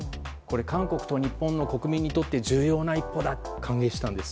韓国と日本の国民にとって重要な一歩だと歓迎したんです。